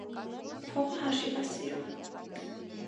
Փողը հաշիվ ա սիրում: